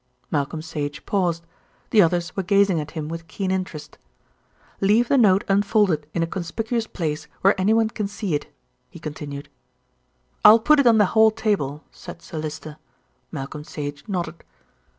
Malcolm Sage paused. The others were gazing at him with keen interest. "Leave the note unfolded in a conspicuous place where anyone can see it," he continued. "I'll put it on the hall table," said Sir Lyster. Malcolm Sage nodded.